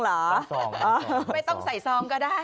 ไม่ต้องใส่ซองก็ได้